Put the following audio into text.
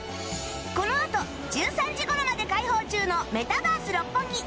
このあと１３時頃まで開放中のメタバース六本木